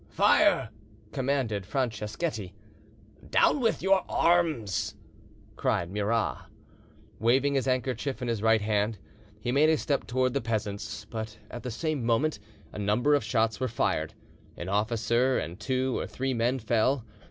"Fire!" commanded Franceschetti. "Down with your arms!" cried Murat. Waving his handkerchief in his right hand, he made a step towards the peasants, but at the same moment a number of shots were fired, an officer and two or three men fell.